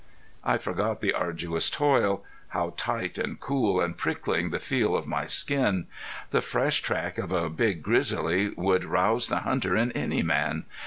I forgot the arduous toil. How tight and cool and prickling the feel of my skin! The fresh track of a big grizzly would rouse the hunter in any man.